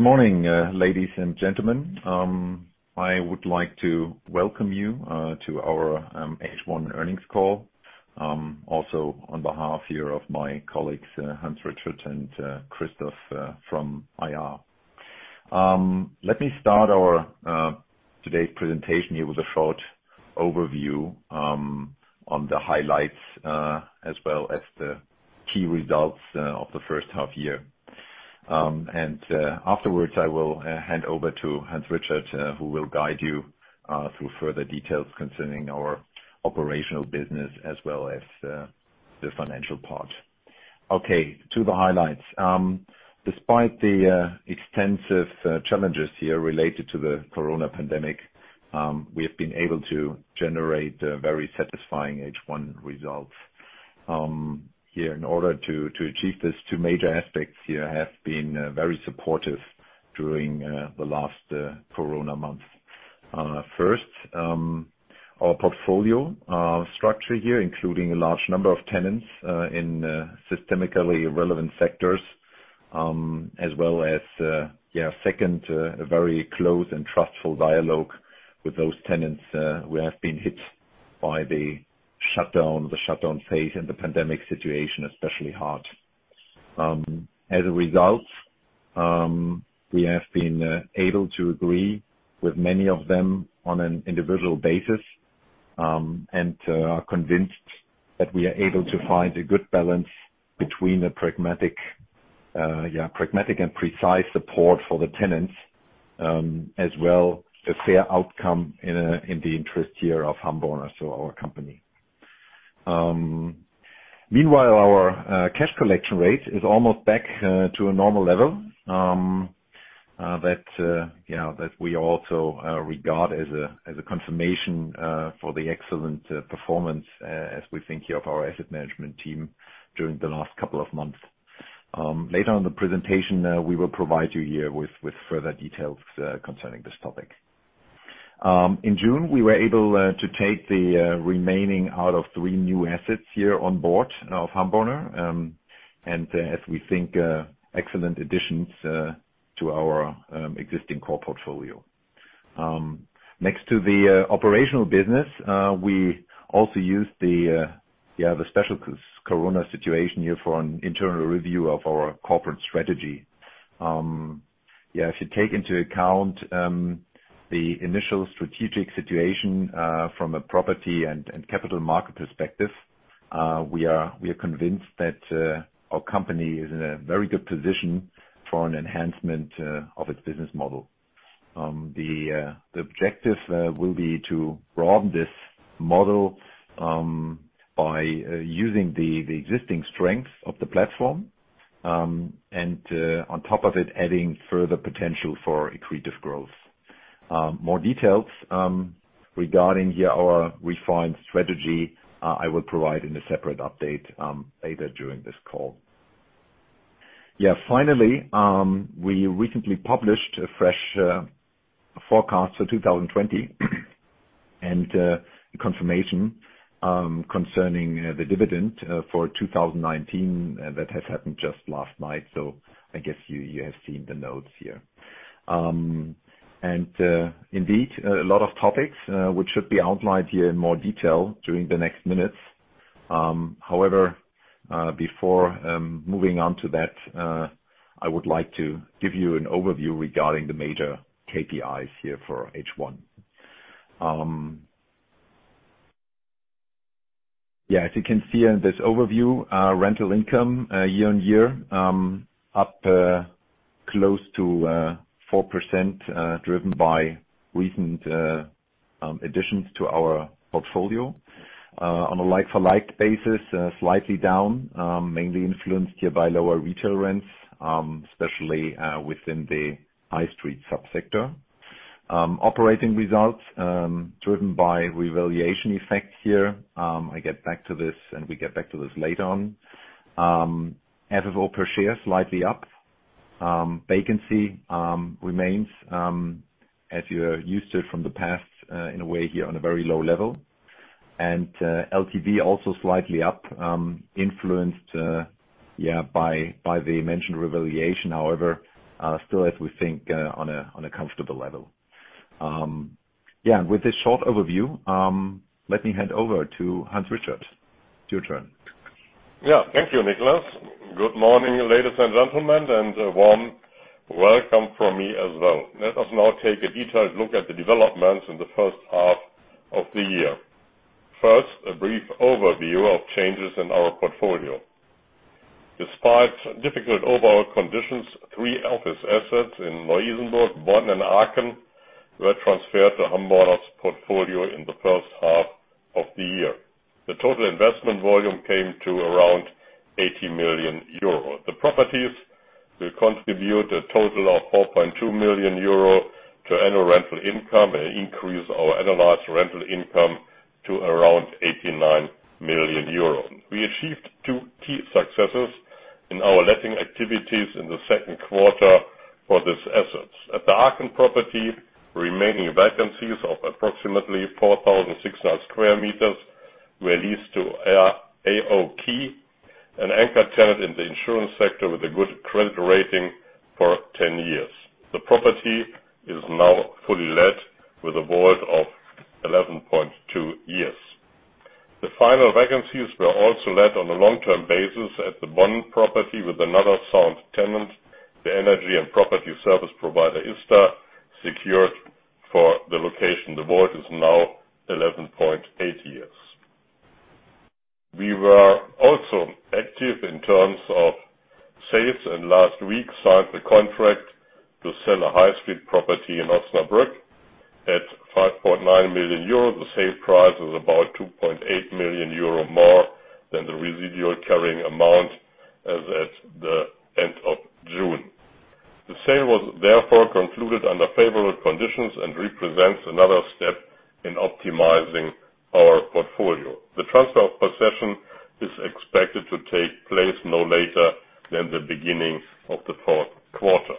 Good morning, ladies and gentlemen. I would like to welcome you to our H1 earnings call. Also on behalf here of my colleagues, Hans Richard and Christoph from IR. Let me start today's presentation here with a short overview on the highlights, as well as the key results of the first half year. Afterwards, I will hand over to Hans Richard, who will guide you through further details concerning our operational business as well as the financial part. Okay. To the highlights. Despite the extensive challenges here related to the corona pandemic, we have been able to generate very satisfying H1 results. In order to achieve this, two major aspects here have been very supportive during the last corona months. First, our portfolio structure here, including a large number of tenants in systemically relevant sectors, as well as, second, a very close and trustful dialogue with those tenants who have been hit by the shutdown phase and the pandemic situation especially hard. As a result, we have been able to agree with many of them on an individual basis, and are convinced that we are able to find a good balance between the pragmatic and precise support for the tenants, as well the fair outcome in the interest year of HAMBORNER, so our company. Meanwhile, our cash collection rate is almost back to a normal level that we also regard as a confirmation for the excellent performance as we think of our asset management team during the last couple of months. Later in the presentation, we will provide you here with further details concerning this topic. In June, we were able to take the remaining out of three new assets here on board of HAMBORNER. As we think, excellent additions to our existing core portfolio. Next to the operational business, we also use the special corona situation here for an internal review of our corporate strategy. If you take into account the initial strategic situation from a property and capital market perspective, we are convinced that our company is in a very good position for an enhancement of its business model. The objective will be to broaden this model by using the existing strength of the platform. On top of it, adding further potential for accretive growth. More details regarding our refined strategy I will provide in a separate update later during this call. Finally, we recently published a fresh forecast for 2020 and confirmation concerning the dividend for 2019. That has happened just last night. I guess you have seen the notes here. Indeed, a lot of topics which should be outlined here in more detail during the next minutes. However, before moving on to that, I would like to give you an overview regarding the major KPIs here for H1. As you can see in this overview, our rental income year-on-year, up close to 4%, driven by recent additions to our portfolio. On a like-for-like basis, slightly down, mainly influenced here by lower retail rents, especially within the high street subsector. Operating results driven by revaluation effect here. I get back to this and we get back to this later on. FFO per share, slightly up. Vacancy remains as you're used to from the past, in a way here on a very low level. LTV also slightly up, influenced by the mentioned revaluation. However, still as we think on a comfortable level. With this short overview, let me hand over to Hans Richard. It's your turn. Thank you, Niclas. Good morning, ladies and gentlemen, and a warm welcome from me as well. Let us now take a detailed look at the developments in the first half of the year. A brief overview of changes in our portfolio. Despite difficult overall conditions, three office assets in Neu-Isenburg, Bonn, and Aachen were transferred to HAMBORNER's portfolio in the first half of the year. The total investment volume came to around 80 million euro. The properties will contribute a total of 4.2 million euro to annual rental income and increase our annualized rental income to around 89 million euros. We achieved two key successes in our letting activities in the second quarter for this asset. At the Aachen property, remaining vacancies of approximately 4,600 sq meters were leased to AOK, an anchor tenant in the insurance sector with a good credit rating for 10 years. The property is now fully let with a WALT of 11.2 years. The final vacancies were also let on a long-term basis at the Bonn property with another sound tenant, the energy and property service provider ista secured for the location. The WALT is now 11.8 years. We were also active in terms of sales and last week signed the contract to sell a high street property in Osnabrück at 5.9 million euro. The sale price is about 2.8 million euro more than the residual carrying amount as at the end of June. The sale was therefore concluded under favorable conditions and represents another step in optimizing our portfolio. The transfer of possession is expected to take place no later than the beginning of the fourth quarter.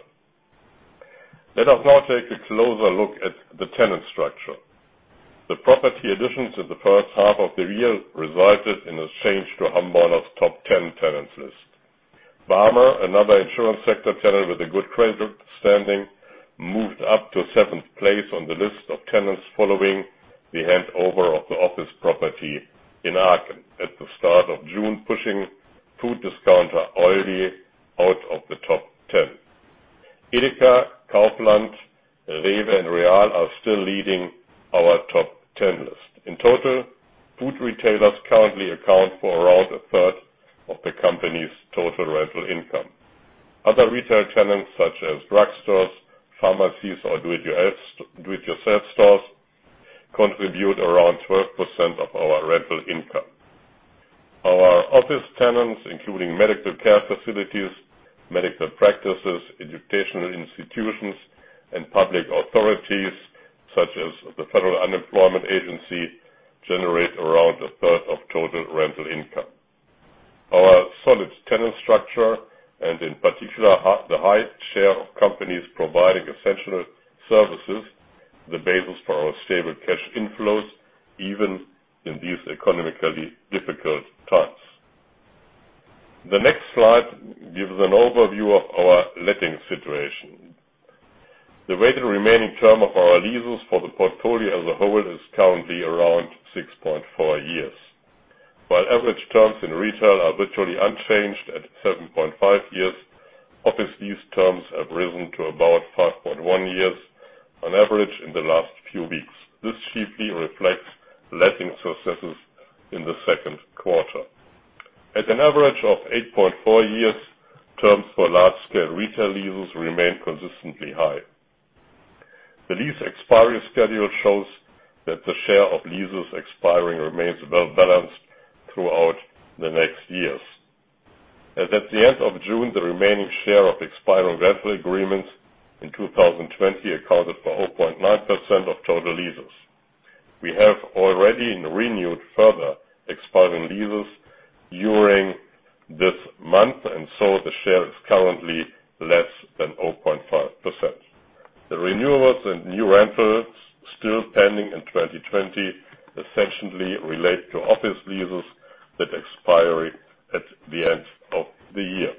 Let us now take a closer look at the tenant structure. The property additions in the first half of the year resulted in a change to HAMBORNER's top 10 tenants list. BARMER, another insurance sector tenant with a good credit standing, moved up to seventh place on the list of tenants following the handover of the office property in Aachen at the start of June, pushing food discounter Aldi out of the top 10. EDEKA, Kaufland, REWE, and real are still leading our top 10 list. In total, food retailers currently account for around a third of the company's total rental income. Other retail tenants such as drugstores, pharmacies, or do-it-yourself stores contribute around 12% of our rental income. Our office tenants, including medical care facilities, medical practices, educational institutions, and public authorities such as the Federal Employment Agency, generate around a third of total rental income. Our solid tenant structure, and in particular, the high share of companies providing essential services, the basis for our stable cash inflows, even in these economically difficult times. The next slide gives an overview of our letting situation. The weighted remaining term of our leases for the portfolio as a whole is currently around 6.4 years. While average terms in retail are virtually unchanged at 7.5 years, office lease terms have risen to about 5.1 years on average in the last few weeks. This chiefly reflects letting successes in the second quarter. At an average of 8.4 years, terms for large-scale retail leases remain consistently high. The lease expiry schedule shows that the share of leases expiring remains well-balanced throughout the next years. As at the end of June, the remaining share of expiring rental agreements in 2020 accounted for 0.9% of total leases. We have already renewed further expiring leases during this month, the share is currently less than 0.5%. The renewals and new rentals still pending in 2020 essentially relate to office leases that expire at the end of the year.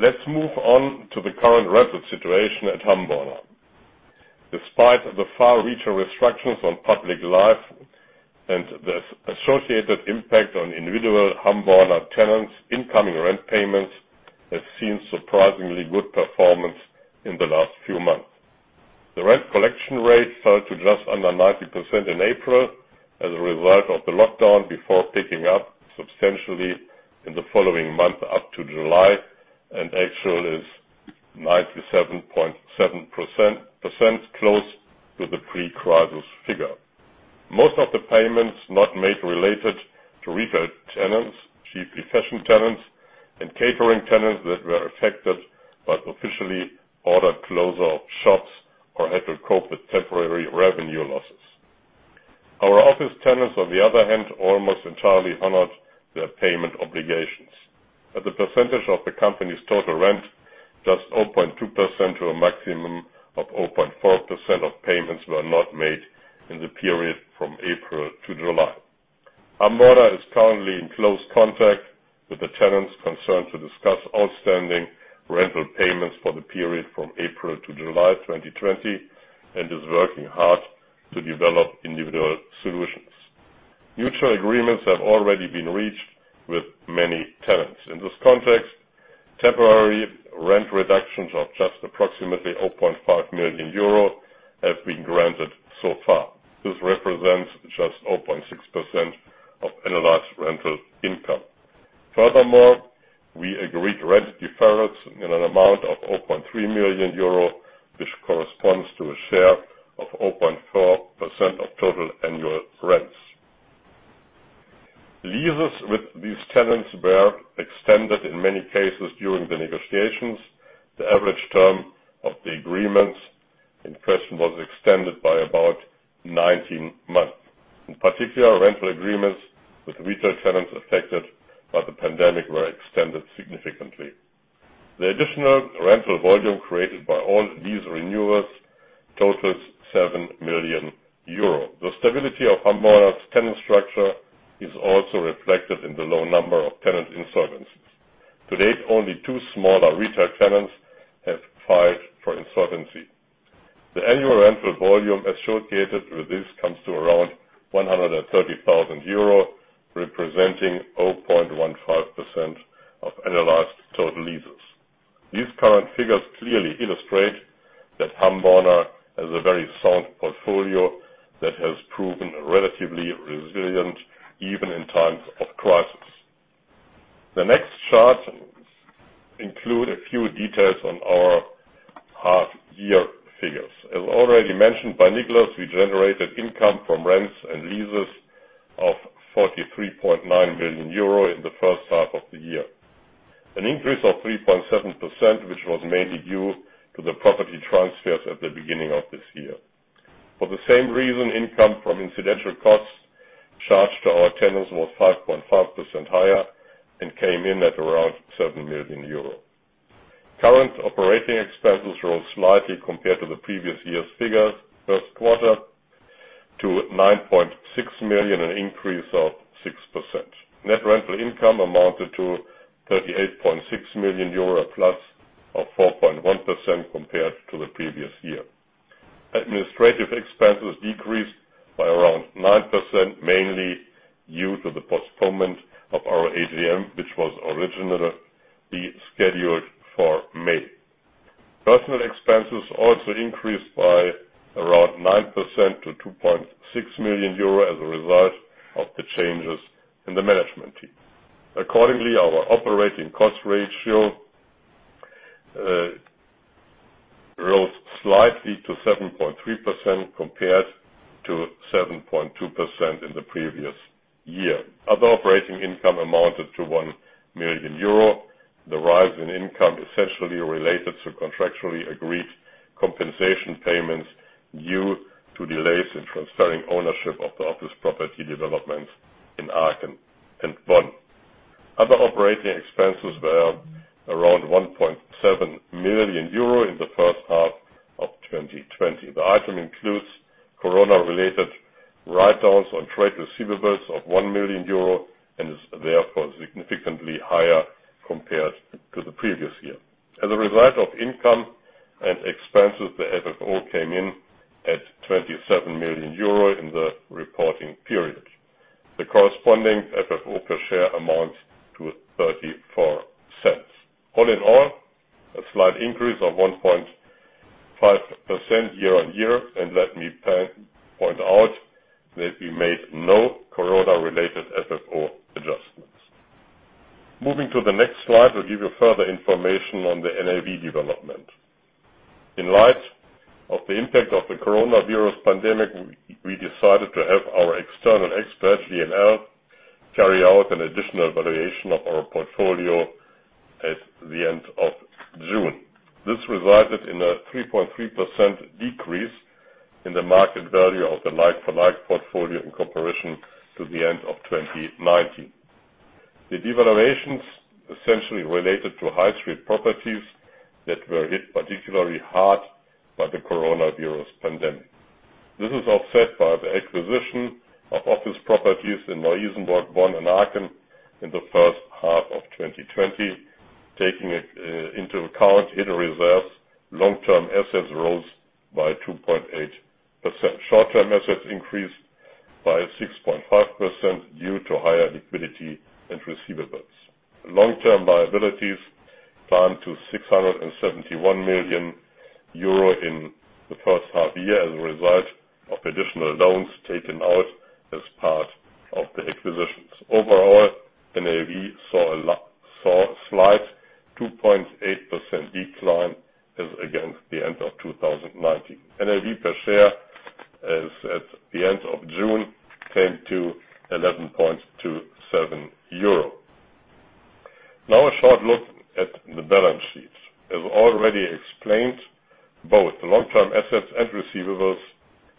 Let's move on to the current rental situation at HAMBORNER. Despite the far-reaching restrictions on public life and the associated impact on individual HAMBORNER tenants, incoming rent payments have seen surprisingly good performance in the last few months. The rent collection rate fell to just under 90% in April as a result of the lockdown before picking up substantially in the following month up to July, and actually is 97.7% close to the pre-crisis figure. Most of the payments not made related to retail tenants, chiefly fashion tenants, and catering tenants that were affected by officially ordered closure of shops or had to cope with temporary revenue losses. Our office tenants, on the other hand, almost entirely honored their payment obligations. As a percentage of the company's total rent, just 0.2% to a maximum of 0.4% of payments were not made in the period from April to July. HAMBORNER is currently in close contact with the tenants concerned to discuss outstanding rental payments for the period from April to July 2020 and is working hard to develop individual solutions. Mutual agreements have already been reached with many tenants. In this context, temporary rent reductions of just approximately 0.5 million euro have been granted so far. This represents just 0.6% of annualized rental income. Furthermore, we agreed rent deferrals in an amount of 0.3 million euro, which corresponds to a share of 0.4% of total annual rents. Leases with these tenants were extended in many cases during the negotiations. The average term of the agreements in question was extended by about 19 months. In particular, rental agreements with retail tenants affected by the pandemic were extended significantly. The additional rental volume created by all these renewals totals 7 million euro. The stability of HAMBORNER's tenant structure is also reflected in the low number of tenant insolvencies. To date, only two smaller retail tenants have filed for insolvency. The annual rental volume associated with this comes to around 130,000 euro, representing 0.15% of annualized total leases. These current figures clearly illustrate that HAMBORNER has a very sound portfolio that has proven relatively resilient even in times of crisis. The next chart include a few details on our half-year figures. As already mentioned by Niclas, we generated income from rents and leases of 43.9 million euro in the first half of the year. An increase of 3.7%, which was mainly due to the property transfers at the beginning of this year. For the same reason, income from incidental costs charged to our tenants was 5.5% higher and came in at around 7 million euros. Current operating expenses rose slightly compared to the previous year's figures first quarter to 9.6 million, an increase of 6%. Net rental income amounted to 38.6 million euro, a plus of 4.1% compared to the previous year. Administrative expenses decreased by around 9%, mainly due to the postponement of our AGM, which was originally scheduled for May. Personnel expenses also increased by around 9% to 2.6 million euro as a result of the changes in the management team. Accordingly, our operating cost ratio rose slightly to 7.3% compared to 7.2% in the previous year. Other operating income amounted to 1 million euro. The rise in income essentially related to contractually agreed compensation payments due to delays in transferring ownership of the office property developments in Aachen and Bonn. Other operating expenses were around 1.7 million euro in the first half of 2020. The item includes corona-related write-downs on trade receivables of 1 million euro and is therefore significantly higher compared to the previous year. As a result of income and expenses, the FFO came in at 27 million euro in the reporting period. The corresponding FFO per share amounts to 0.34. All in all, a slight increase of 1.5% year-on-year. Let me point out that we made no corona-related FFO adjustments. Moving to the next slide will give you further information on the NAV development. In light of the impact of the coronavirus pandemic, we decided to have our external experts, JLL, carry out an additional valuation of our portfolio at the end of June. This resulted in a 3.3% decrease in the market value of the like-for-like portfolio in comparison to the end of 2019. The devaluations essentially related to high street properties that were hit particularly hard by the coronavirus pandemic. This is offset by the acquisition of office properties in Neu-Isenburg, Bonn, and Aachen in the first half of 2020. Taking into account hidden reserves, long-term assets rose by 2.8%. Short-term assets increased by 6.5% due to higher liquidity and receivables. Long-term liabilities climbed to 671 million euro in the first half year as a result of additional loans taken out as part of the acquisitions. Overall, NAV saw a slight 2.8% decline as against the end of 2019. NAV per share as at the end of June came to 11.27 euro. Now a short look at the balance sheet. As already explained, both the long-term assets and receivables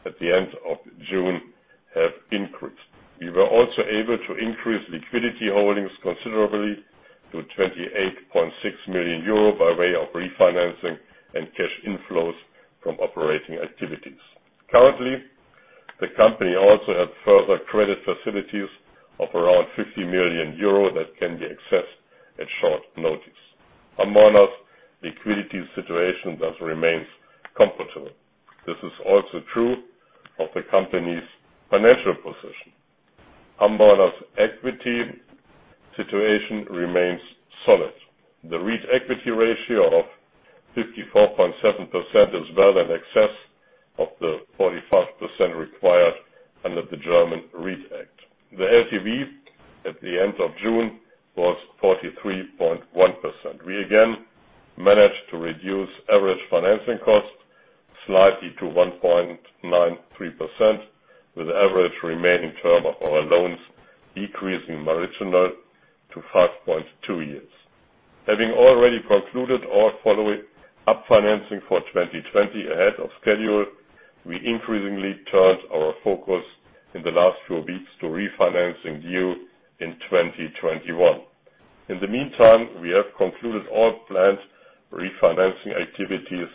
at the end of June have increased. We were also able to increase liquidity holdings considerably to 28.6 million euro by way of refinancing and cash inflows from operating activities. Currently, the company also has further credit facilities of around 50 million euro that can be accessed at short notice. HAMBORNER's liquidity situation thus remains comfortable. This is also true of the company's financial position. HAMBORNER's equity situation remains solid. The REIT equity ratio of 54.7% is well in excess of the 45% required under the German REIT Act. The LTV at the end of June was 43.1%. We again managed to reduce average financing costs slightly to 1.93%, with average remaining term of our loans decreasing marginally to 5.2 years. Having already concluded our following up financing for 2020 ahead of schedule, we increasingly turned our focus in the last few weeks to refinancing due in 2021. In the meantime, we have concluded all planned refinancing activities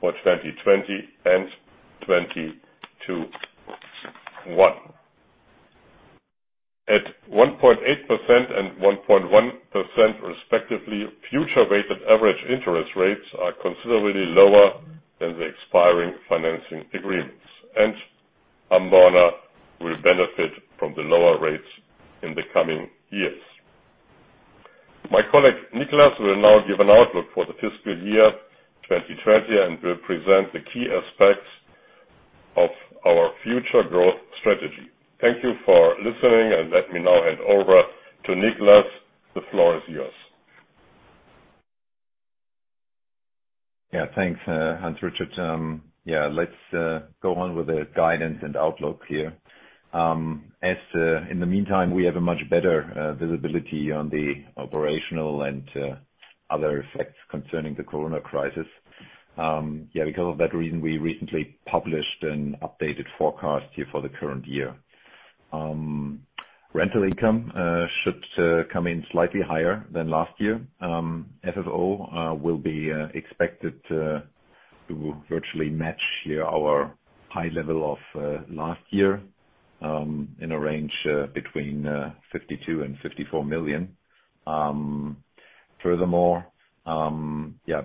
for 2020 and 2021. At 1.8% and 1.1% respectively, future weighted average interest rates are considerably lower than the expiring financing agreements, and HAMBORNER will benefit from the lower rates in the coming years. My colleague Niclas will now give an outlook for the fiscal year 2020 and will present the key aspects of our future growth strategy. Thank you for listening and let me now hand over to Niclas. The floor is yours. Yeah, thanks, Hans Richard. Let's go on with the guidance and outlook here. In the meantime, we have a much better visibility on the operational and other effects concerning the corona crisis. Because of that reason, we recently published an updated forecast here for the current year. Rental income should come in slightly higher than last year. FFO will be expected to virtually match our high level of last year in a range between 52 million and 54 million.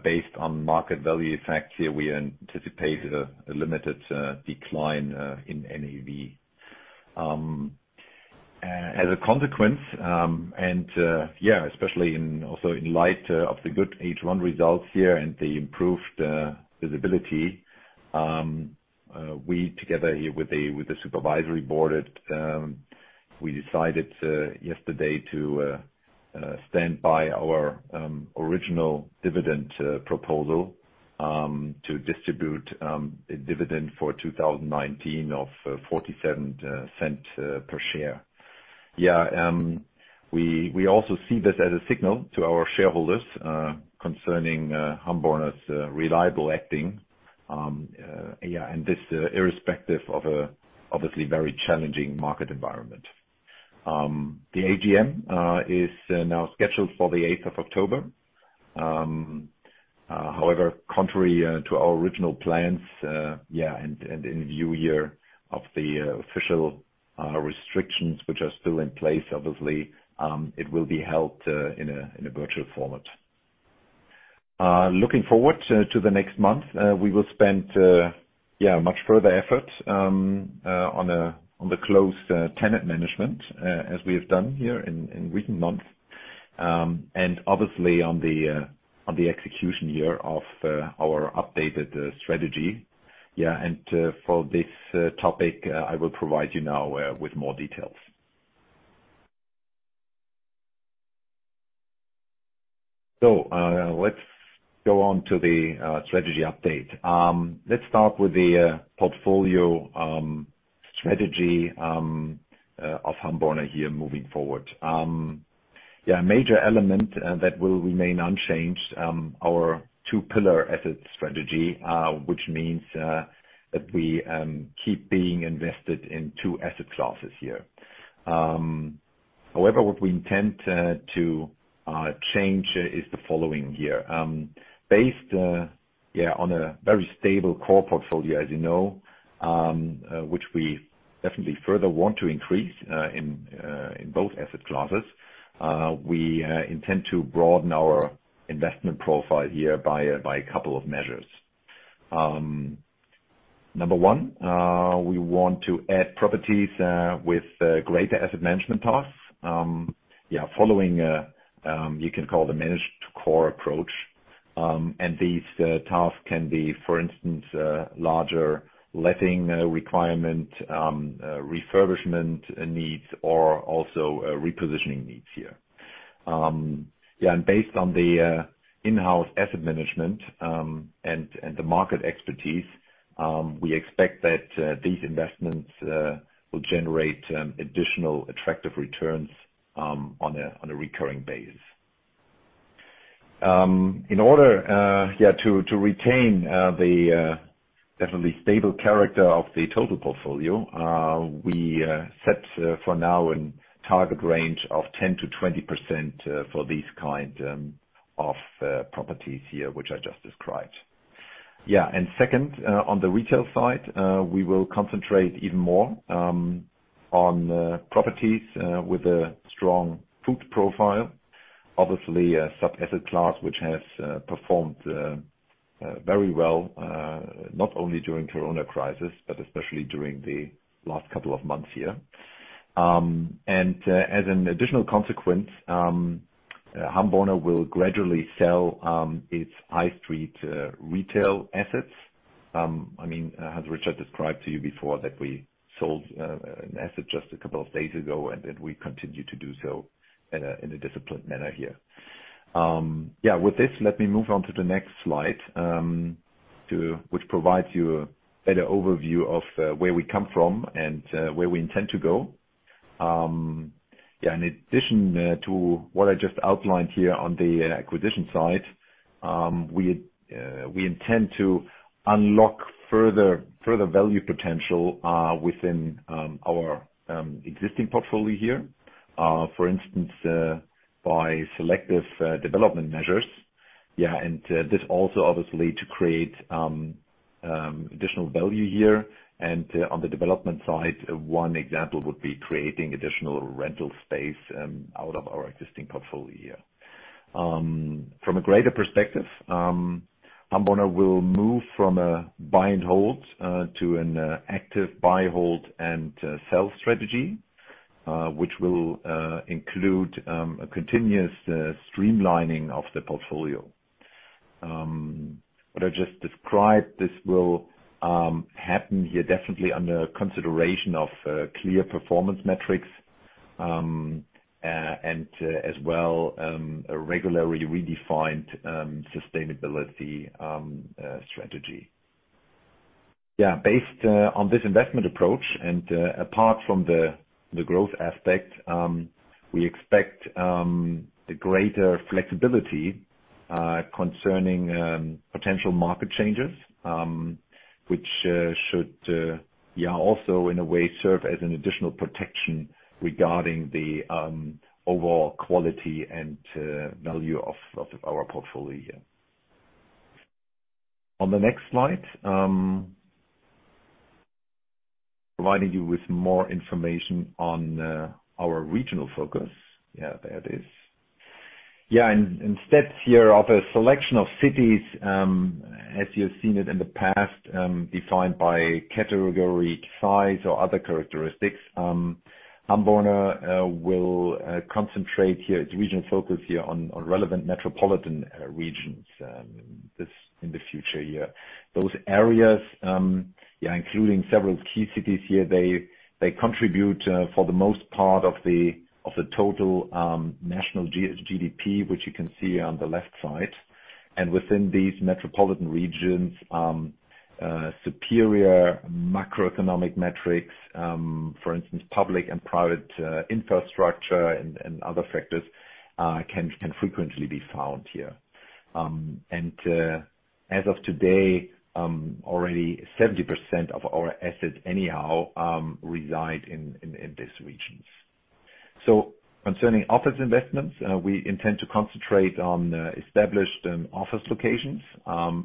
Based on market value effects here, we anticipate a limited decline in NAV. As a consequence, and especially also in light of the good H1 results here and the improved visibility, we together here with the supervisory board, we decided yesterday to stand by our original dividend proposal to distribute a dividend for 2019 of 0.47 per share. We also see this as a signal to our shareholders concerning HAMBORNER's reliable acting and this irrespective of obviously very challenging market environment. The AGM is now scheduled for the 8th of October. Contrary to our original plans, and in view here of the official restrictions, which are still in place, obviously it will be held in a virtual format. Looking forward to the next month, we will spend much further effort on the close tenant management, as we have done here in recent months. Obviously on the execution year of our updated strategy. For this topic, I will provide you now with more details. Let's go on to the strategy update. Let's start with the portfolio strategy of HAMBORNER here moving forward. A major element that will remain unchanged our two pillar asset strategy, which means that we keep being invested in two asset classes here. However, what we intend to change is the following here. Based on a very stable core portfolio, as you know, which we definitely further want to increase in both asset classes. We intend to broaden our investment profile here by a couple of measures. Number one, we want to add properties with greater asset management tasks. Following, you can call the manage-to-core approach. These tasks can be, for instance, larger letting requirement, refurbishment needs, or also repositioning needs here. Based on the in-house asset management and the market expertise, we expect that these investments will generate additional attractive returns on a recurring basis. In order to retain the definitely stable character of the total portfolio, we set for now a target range of 10%-20% for these kind of properties here, which I just described. Second, on the retail side, we will concentrate even more on properties with a strong food profile. Obviously, a sub-asset class which has performed very well not only during corona crisis, but especially during the last couple of months here. As an additional consequence, HAMBORNER will gradually sell its high street retail assets. As Richard described to you before that we sold an asset just a couple of days ago, and we continue to do so in a disciplined manner here. With this, let me move on to the next slide which provides you a better overview of where we come from and where we intend to go. In addition to what I just outlined here on the acquisition side, we intend to unlock further value potential within our existing portfolio here. For instance, by selective development measures. This also obviously to create additional value here. On the development side, one example would be creating additional rental space out of our existing portfolio. From a greater perspective, HAMBORNER will move from a buy and hold to an active buy, hold and sell strategy, which will include a continuous streamlining of the portfolio. What I just described, this will happen here definitely under consideration of clear performance metrics, and as well, a regularly redefined sustainability strategy. Based on this investment approach and apart from the growth aspect, we expect a greater flexibility concerning potential market changes, which should also in a way serve as an additional protection regarding the overall quality and value of our portfolio. On the next slide, providing you with more information on our regional focus. There it is. In steps here of a selection of cities, as you have seen it in the past, defined by category, size, or other characteristics. HAMBORNER will concentrate here its regional focus here on relevant metropolitan regions in the future year. Those areas including several key cities here, they contribute for the most part of the total national GDP, which you can see on the left side. Within these metropolitan regions, superior macroeconomic metrics, for instance, public and private infrastructure and other factors can frequently be found here. As of today, already 70% of our assets anyhow, reside in these regions. Concerning office investments, we intend to concentrate on established office locations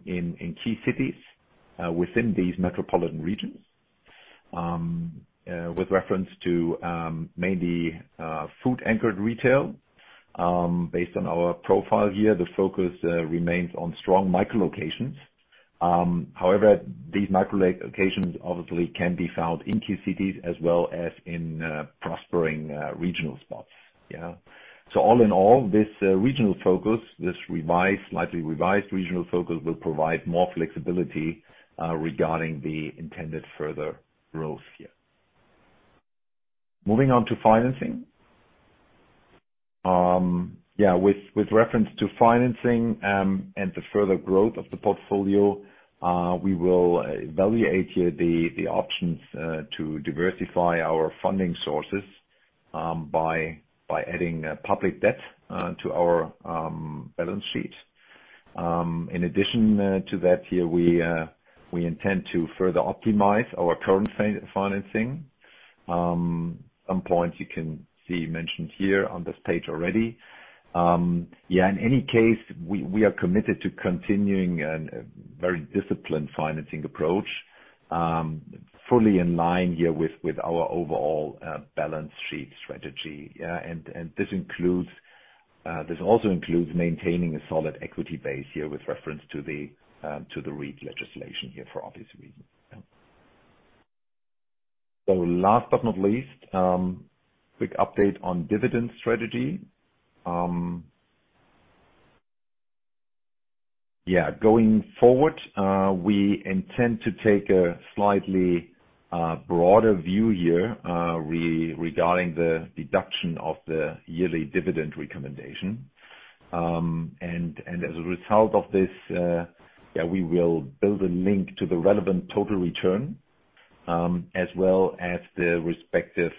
in key cities within these metropolitan regions. With reference to mainly food-anchored retail. Based on our profile here, the focus remains on strong micro locations. However, these micro locations obviously can be found in key cities as well as in prospering regional spots. All in all, this regional focus, this slightly revised regional focus will provide more flexibility regarding the intended further growth here. Moving on to financing. With reference to financing and the further growth of the portfolio, we will evaluate here the options to diversify our funding sources by adding public debt to our balance sheet. In addition to that here, we intend to further optimize our current financing. Some points you can see mentioned here on this page already. In any case, we are committed to continuing a very disciplined financing approach, fully in line here with our overall balance sheet strategy. This also includes maintaining a solid equity base here with reference to the REIT legislation here for obvious reasons. Last but not least, quick update on dividend strategy. Going forward, we intend to take a slightly broader view here regarding the deduction of the yearly dividend recommendation. As a result of this, we will build a link to the relevant total return as well as the respective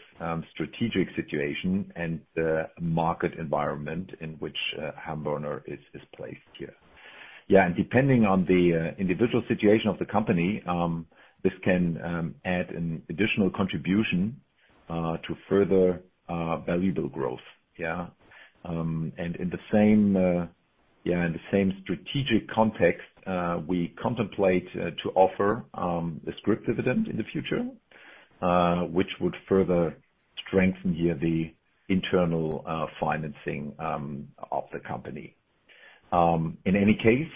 strategic situation and the market environment in which HAMBORNER is placed here. Depending on the individual situation of the company, this can add an additional contribution to further valuable growth. In the same strategic context, we contemplate to offer a scrip dividend in the future, which would further strengthen here the internal financing of the company. In any case,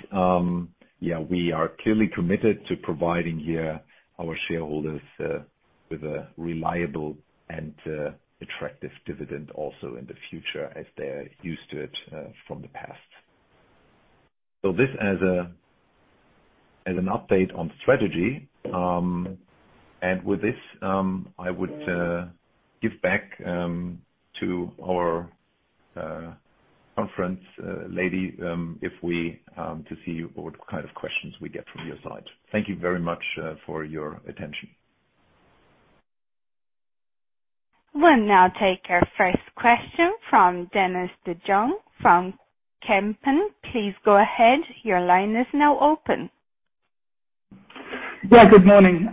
we are clearly committed to providing here our shareholders with a reliable and attractive dividend also in the future as they're used to it from the past. This as an update on strategy. With this, I would give back to our conference lady to see what kind of questions we get from your side. Thank you very much for your attention. We'll now take our first question from Dennis de Jong from Kempen. Please go ahead. Your line is now open. Yeah. Good morning.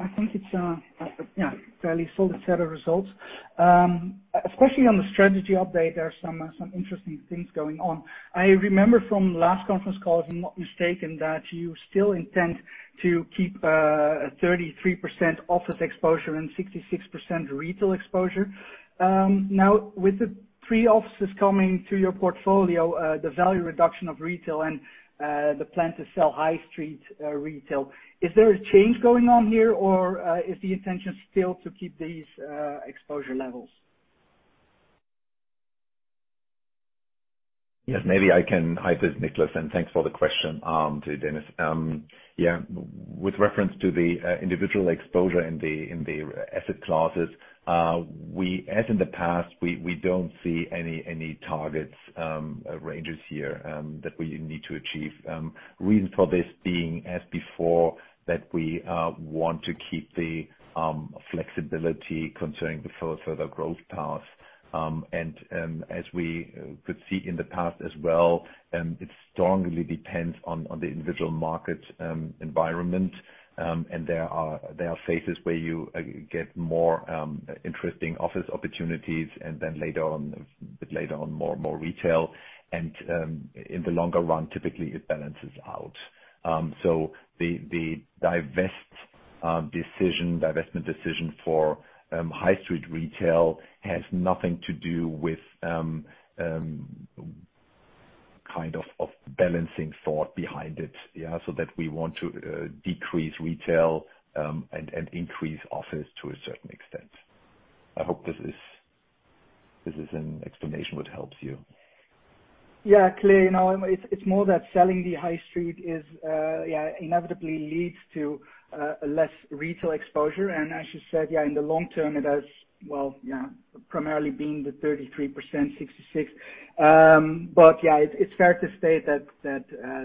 I think it is a fairly solid set of results. Especially on the strategy update, there are some interesting things going on. I remember from last conference call, if I am not mistaken, that you still intend to keep a 33% office exposure and 66% retail exposure. Now, with the three offices coming to your portfolio, the value reduction of retail and the plan to sell high street retail, is there a change going on here or is the intention still to keep these exposure levels? Yes, maybe I can. Hi, this is Niclas. Thanks for the question to Dennis. With reference to the individual exposure in the asset classes, as in the past, we don't see any targets ranges here that we need to achieve. Reason for this being, as before, that we want to keep the flexibility concerning the further growth path. As we could see in the past as well, it strongly depends on the individual market environment. There are phases where you get more interesting office opportunities and then a bit later on more retail. In the longer run, typically it balances out. The divestment decision for high street retail has nothing to do with kind of balancing thought behind it, so that we want to decrease retail and increase office to a certain extent. I hope this is an explanation which helps you. Yeah, clear. No, it's more that selling the high street inevitably leads to less retail exposure. As you said, yeah, in the long term, it has, well, primarily been the 33%, 66%. Yeah, it's fair to state that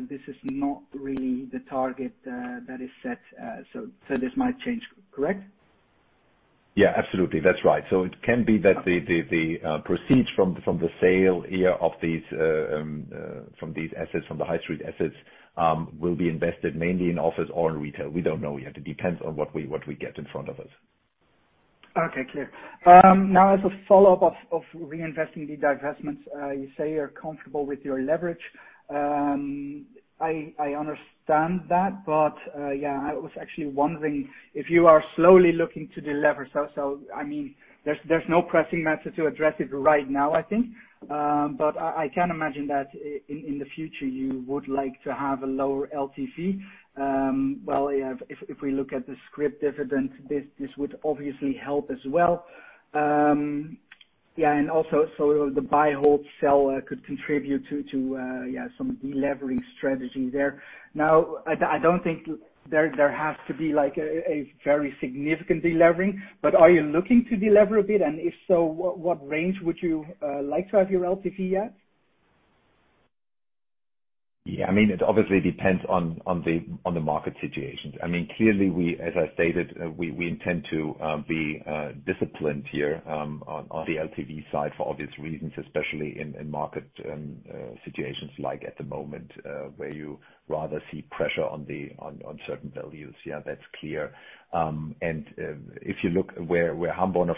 this is not really the target that is set. This might change, correct? Yeah, absolutely. That's right. It can be that the proceeds from the sale here from these assets, from the high street assets, will be invested mainly in office or in retail. We don't know yet. It depends on what we get in front of us. Okay. Clear. As a follow-up of reinvesting the divestments, you say you're comfortable with your leverage. I understand that. Yeah, I was actually wondering if you are slowly looking to delever. There's no pressing matter to address it right now, I think. I can imagine that in the future, you would like to have a lower LTV. Well, yeah, if we look at the scrip dividend, this would obviously help as well. Yeah, also the buy, hold, sell could contribute to some delevering strategy there. I don't think there has to be a very significant delevering, are you looking to delever a bit? If so, what range would you like to have your LTV at? Yeah. It obviously depends on the market situations. Clearly, as I stated, we intend to be disciplined here on the LTV side for obvious reasons, especially in market situations like at the moment where you rather see pressure on certain values. Yeah, that's clear. If you look where HAMBORNER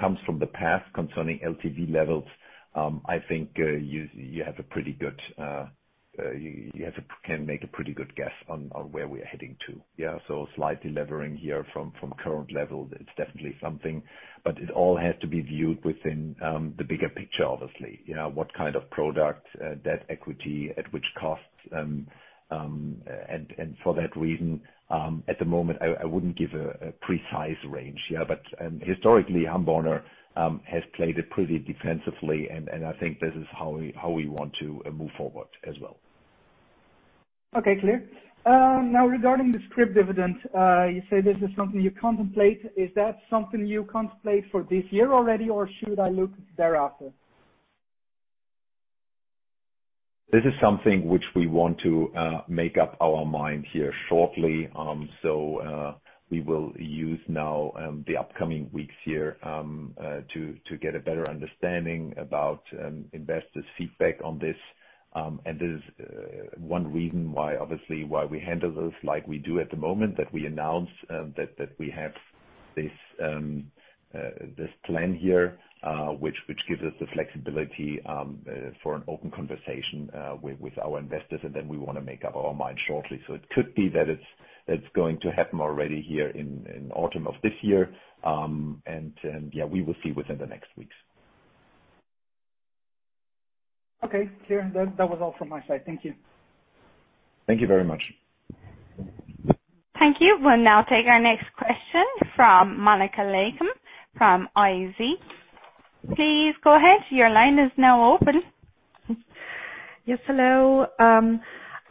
comes from the past concerning LTV levels, I think you can make a pretty good guess on where we are heading to. Yeah, slight delevering here from current levels, it's definitely something. It all has to be viewed within the bigger picture, obviously. What kind of product, debt equity at which costs. For that reason, at the moment, I wouldn't give a precise range. Yeah. Historically, HAMBORNER has played it pretty defensively, and I think this is how we want to move forward as well. Okay. Clear. Regarding the scrip dividend, you say this is something you contemplate. Is that something you contemplate for this year already, or should I look thereafter? This is something which we want to make up our mind here shortly. We will use now the upcoming weeks here to get a better understanding about investors' feedback on this. This is one reason obviously why we handle this like we do at the moment, that we announce that we have this plan here, which gives us the flexibility for an open conversation with our investors, and then we want to make up our mind shortly. It could be that it's going to happen already here in autumn of this year. Yeah, we will see within the next weeks. Okay. Clear. That was all from my side. Thank you. Thank you very much. Thank you. We will now take our next question from Monika Leykam from IZ. Please go ahead. Your line is now open. Yes, hello.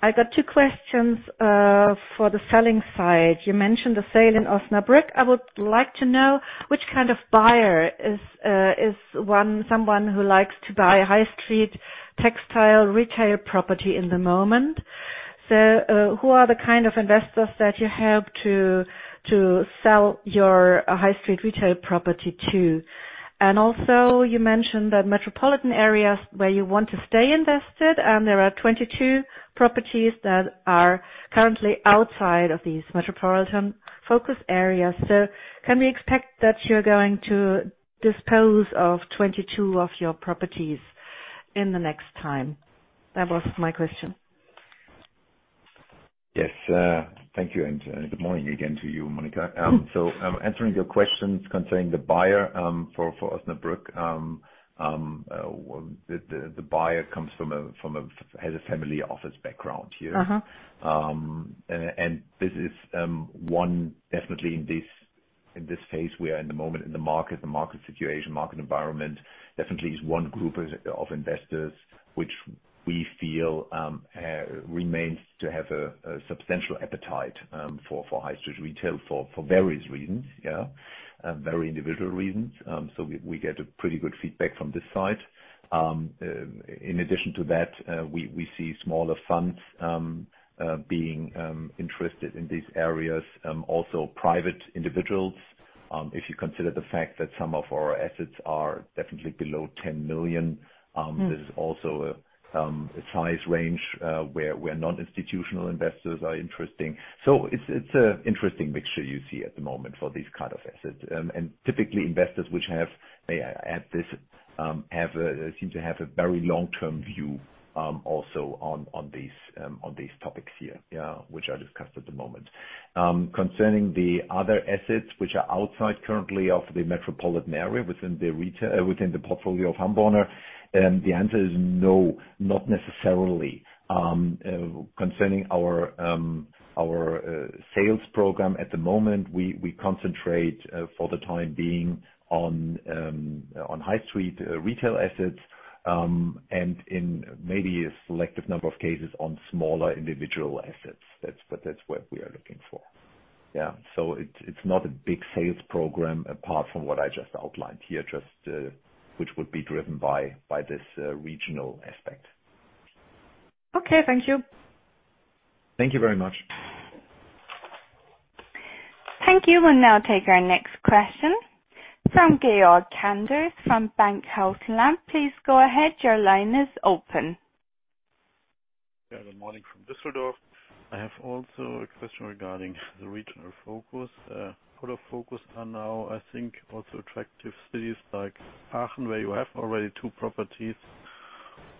I got two questions for the selling side. You mentioned the sale in Osnabrück. I would like to know which kind of buyer is someone who likes to buy high street textile retail property in the moment. Who are the kind of investors that you have to sell your high street retail property to? You mentioned that metropolitan areas where you want to stay invested, and there are 22 properties that are currently outside of these metropolitan focus areas. Can we expect that you're going to dispose of 22 of your properties in the next time? That was my question. Yes. Thank you, and good morning again to you, Monika. Answering your questions concerning the buyer for Osnabrück, the buyer has a family office background here. This is one definitely in this phase we are in the moment in the market, the market situation, market environment, definitely is one group of investors which we feel remains to have a substantial appetite for high street retail for various reasons. Yeah. Very individual reasons. We get a pretty good feedback from this side. In addition to that, we see smaller funds being interested in these areas. Also private individuals. If you consider the fact that some of our assets are definitely below 10 million. This is also a size range where non-institutional investors are interesting. it's a interesting mixture you see at the moment for these kind of assets. typically investors which seem to have a very long-term view, also on these topics here. Which are discussed at the moment. Concerning the other assets which are outside currently of the metropolitan area within the portfolio of HAMBORNER, the answer is no, not necessarily. Concerning our sales program at the moment, we concentrate for the time being on high street retail assets, and in maybe a selective number of cases, on smaller individual assets. that's what we are looking for. it's not a big sales program apart from what I just outlined here, which would be driven by this regional aspect. Okay. Thank you. Thank you very much. Thank you. We'll now take our next question from Georg Kanders from Bankhaus Lampe. Please go ahead. Your line is open. Yeah. Good morning from Düsseldorf. I have also a question regarding the regional focus. Part of focus are now, I think, also attractive cities like Aachen, where you have already two properties,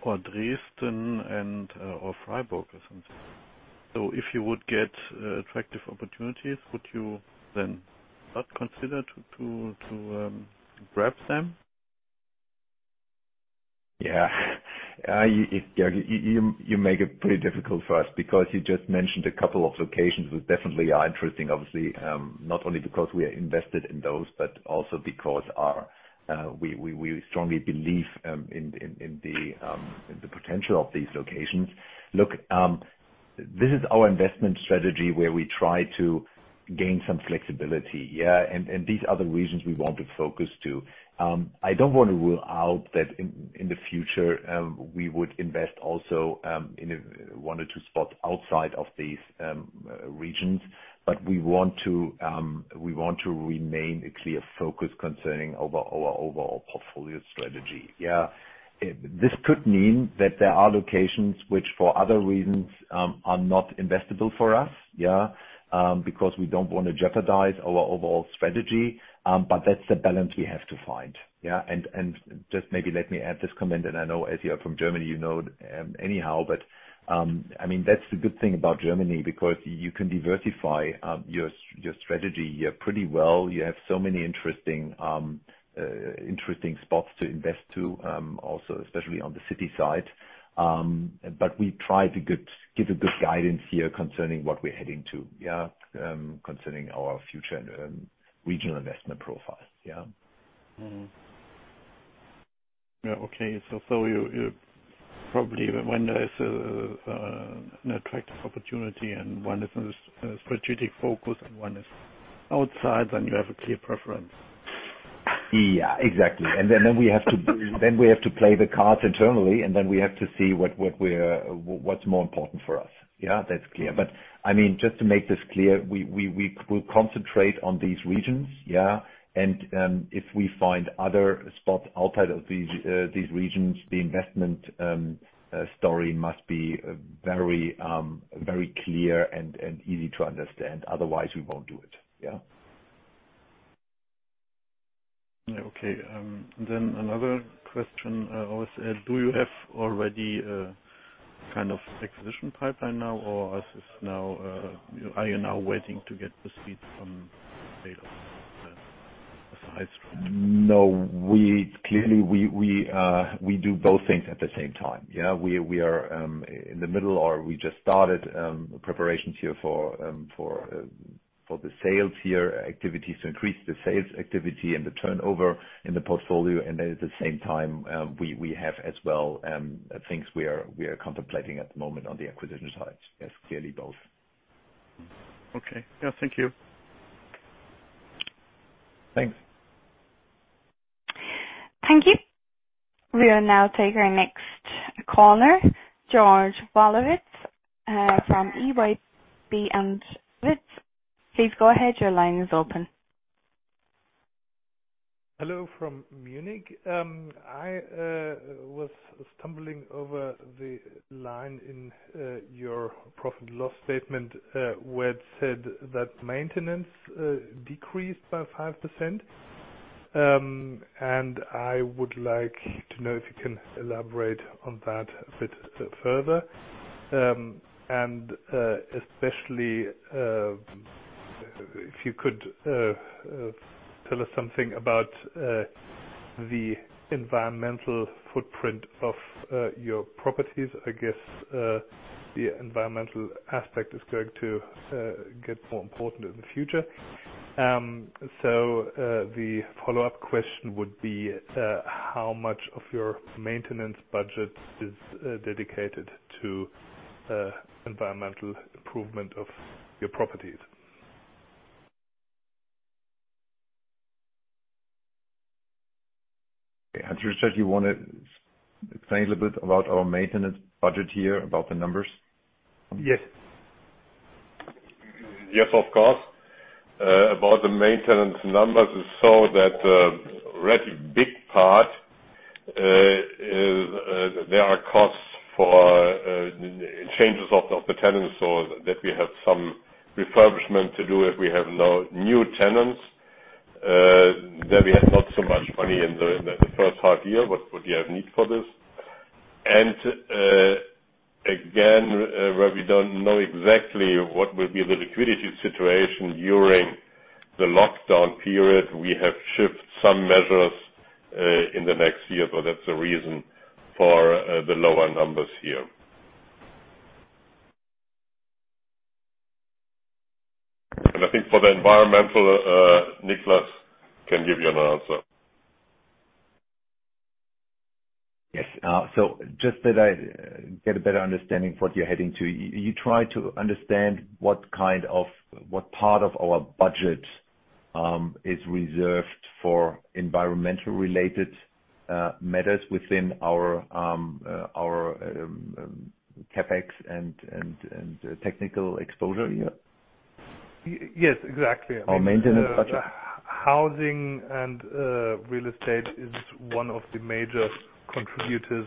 or Dresden or Freiberg or something. If you would get attractive opportunities, would you then not consider to grab them? Yeah. You make it pretty difficult for us because you just mentioned a couple of locations which definitely are interesting, obviously. Not only because we are invested in those, but also because we strongly believe in the potential of these locations. Look, this is our investment strategy where we try to gain some flexibility. Yeah. These are the regions we want to focus to. I don't want to rule out that in the future, we would invest also in one or two spots outside of these regions. We want to remain a clear focus concerning our overall portfolio strategy. Yeah. This could mean that there are locations which for other reasons, are not investable for us. Yeah. Because we don't want to jeopardize our overall strategy. That's the balance we have to find. Yeah. Just maybe let me add this comment, and I know as you are from Germany, you know anyhow, but that's the good thing about Germany because you can diversify your strategy here pretty well. You have so many interesting spots to invest to, also, especially on the city side. We try to give a good guidance here concerning what we're heading to concerning our future regional investment profile. Yeah. Yeah. Okay. You probably when there is an attractive opportunity and one is a strategic focus and one is outside, then you have a clear preference. Yeah. Exactly. Then we have to play the cards internally, and then we have to see what's more important for us. Yeah. That's clear. Just to make this clear, we will concentrate on these regions, yeah. If we find other spots outside of these regions, the investment story must be very clear and easy to understand. Otherwise, we won't do it. Yeah. Yeah. Okay. Another question. Do you have already a kind of acquisition pipeline now, or are you now waiting to get the speed from data as a high street? No. Clearly, we do both things at the same time. Yeah. We just started preparations here for the sales here, activities to increase the sales activity and the turnover in the portfolio. At the same time, we have as well things we are contemplating at the moment on the acquisition side. Yes, clearly both. Okay. Yeah, thank you. Thanks. Thank you. We will now take our next caller, Georg von Wallwitz from Eyb & Wallwitz. Please go ahead. Your line is open. Hello from Munich. I was stumbling over the line in your profit and loss statement, where it said that maintenance decreased by 5%. I would like to know if you can elaborate on that a bit further. Especially if you could tell us something about the environmental footprint of your properties. I guess the environmental aspect is going to get more important in the future. The follow-up question would be, how much of your maintenance budget is dedicated to environmental improvement of your properties? Hans Richard, you want to explain a little bit about our maintenance budget here, about the numbers? Yes. Yes, of course. About the maintenance numbers, that already big part, there are costs for changes of the tenants so that we have some refurbishment to do if we have no new tenants. We have not so much money in the first half-year, what we have need for this. Again, where we don't know exactly what will be the liquidity situation during the lockdown period, we have shift some measures in the next year. That's the reason for the lower numbers here. I think for the environmental, Niclas can give you an answer. Yes. Just that I get a better understanding of what you're heading to. You try to understand what part of our budget is reserved for environmental related matters within our CapEx and technical exposure here? Yes, exactly. Our maintenance budget. Housing and real estate is one of the major contributors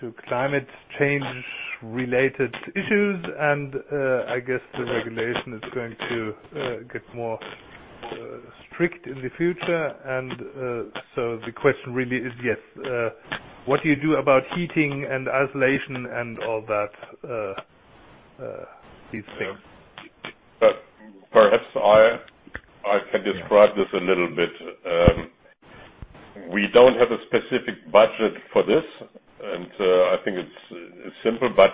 to climate change related issues. I guess the regulation is going to get more strict in the future. The question really is, yes, what do you do about heating and insulation and all these things? Perhaps I can describe this a little bit. We don't have a specific budget for this. I think it's simple, but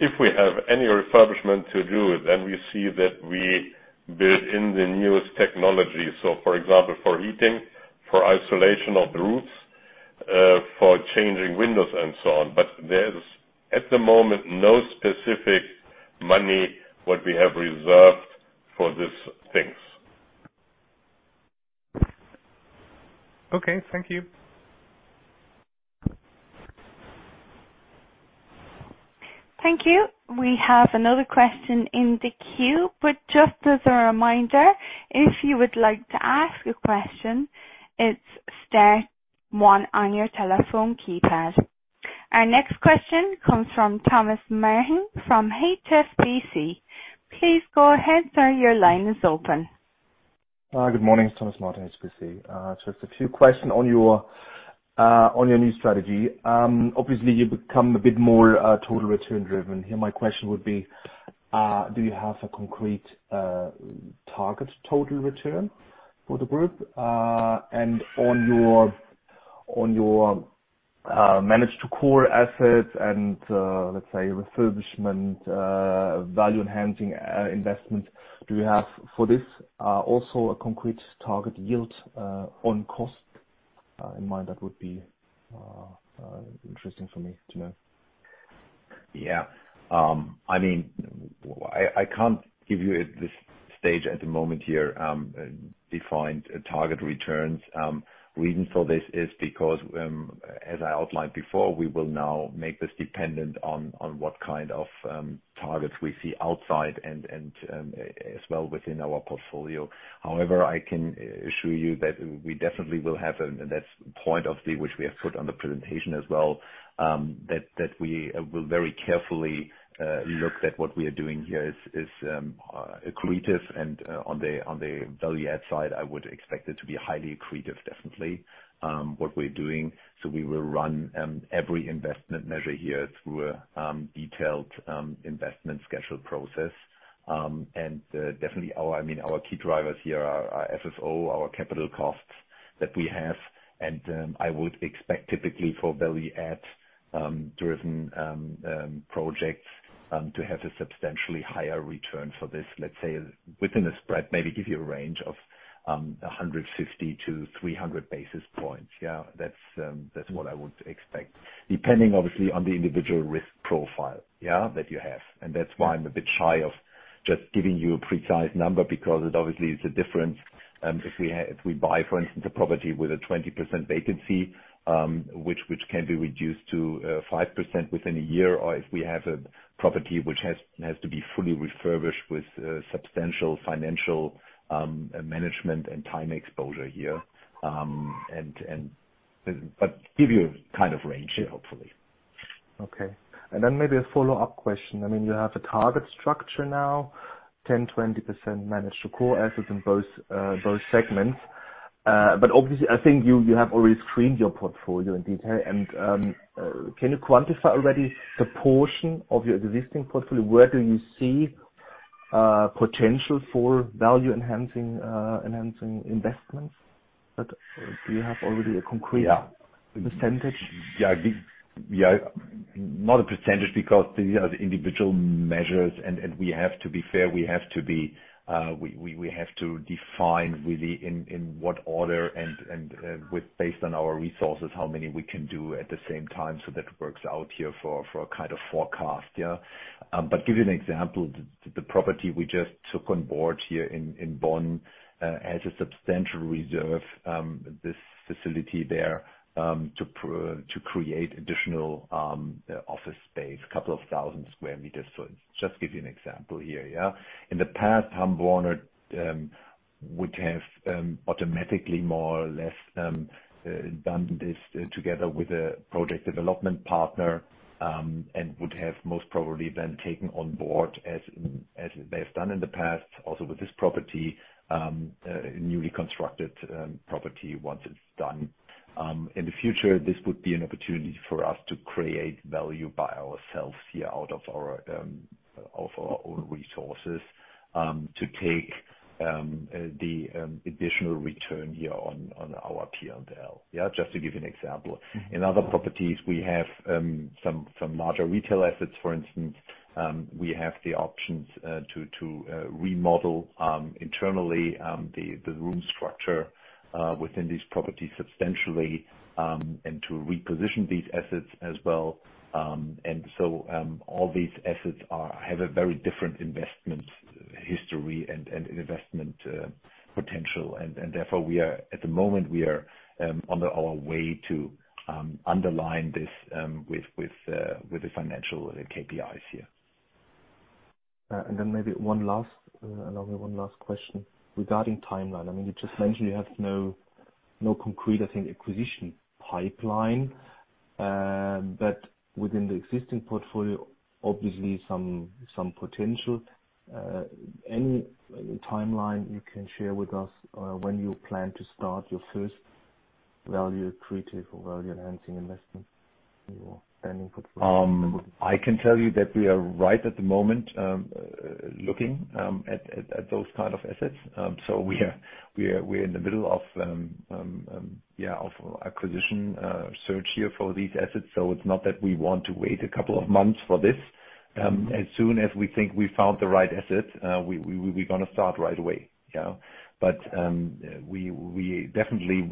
if we have any refurbishment to do, we see that we build in the newest technology. For example, for heating, for isolation of the roofs, for changing windows and so on. There's, at the moment, no specific money what we have reserved for these things. Okay. Thank you. Thank you. We have another question in the queue, but just as a reminder, if you would like to ask a question, it's star one on your telephone keypad. Our next question comes from Thomas Martin from HSBC. Please go ahead, sir, your line is open. Good morning. It's Thomas Martin, HSBC. Just a few questions on your new strategy. Obviously, you've become a bit more total return driven. Here my question would be, do you have a concrete target total return for the group? On your manage to core assets and let's say, refurbishment value enhancing investment, do you have for this also a concrete target yield on cost in mind? That would be interesting for me to know. Yeah. I can't give you at this stage at the moment here, defined target returns. Reason for this is because as I outlined before, we will now make this dependent on what kind of targets we see outside and as well within our portfolio. I can assure you that we definitely will have, and that's point of the which we have put on the presentation as well, that we will very carefully look at what we are doing here is accretive and on the value add side, I would expect it to be highly accretive, definitely, what we're doing. We will run every investment measure here through a detailed investment schedule process. Definitely our key drivers here are our FFO, our capital costs that we have, and I would expect typically for value add driven projects to have a substantially higher return for this. Let's say within a spread, maybe give you a range of 150-300 basis points. Yeah, that's what I would expect, depending obviously on the individual risk profile that you have. That's why I'm a bit shy of just giving you a precise number because it obviously is a difference if we buy, for instance, a property with a 20% vacancy, which can be reduced to 5% within a year, or if we have a property which has to be fully refurbished with substantial financial management and time exposure here. Give you a kind of range here, hopefully. Okay. Then maybe a follow-up question. You have a target structure now, 10, 20% manage to core assets in both segments. Obviously, I think you have already screened your portfolio in detail. Can you quantify already the portion of your existing portfolio? Where do you see potential for value enhancing investments that you have already? Yeah percentage? Yeah. Not a percentage because these are the individual measures, and we have to be fair. We have to define really in what order and based on our resources, how many we can do at the same time so that it works out here for a kind of forecast. Give you an example. The property we just took on board here in Bonn has a substantial reserve. This facility there, to create additional office space, couple of thousand sq m. Just give you an example here. In the past, HAMBORNER would have automatically more or less done this together with a project development partner, and would have most probably then taken on board as they've done in the past, also with this property, newly constructed property once it's done. In the future, this would be an opportunity for us to create value by ourselves here out of our own resources to take the additional return here on our P&L. Just to give you an example. In other properties, we have some larger retail assets, for instance. We have the options to remodel internally the room structure within these properties substantially, and to reposition these assets as well. All these assets have a very different investment history and investment potential. Therefore at the moment, we are on our way to underline this with the financial KPIs here. Maybe one last question. Regarding timeline, you just mentioned you have no concrete, I think, acquisition pipeline. Within the existing portfolio, obviously some potential. Any timeline you can share with us when you plan to start your first value creative or value enhancing investment in your standing portfolio? I can tell you that we are right at the moment looking at those kind of assets. We're in the middle of acquisition search here for these assets. It's not that we want to wait a couple of months for this. As soon as we think we found the right asset, we will going to start right away. We definitely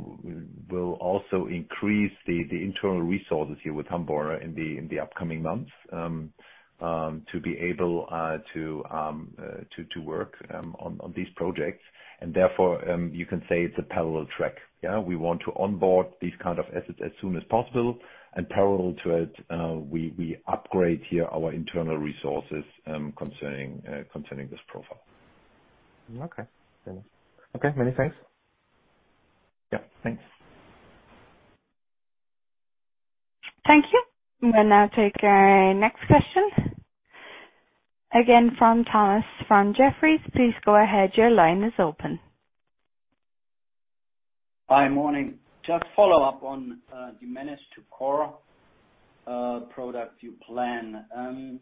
will also increase the internal resources here with HAMBORNER in the upcoming months to be able to work on these projects. Therefore, you can say it's a parallel track. We want to onboard these kind of assets as soon as possible. Parallel to it, we upgrade here our internal resources concerning this profile. Okay. Many thanks. Yeah. Thanks. Thank you. We'll now take our next question. Again from Thomas from Jefferies. Please go ahead. Your line is open. Hi, morning. Just follow up on your manage to core product plan.